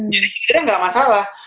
jadi sebenernya gak masalah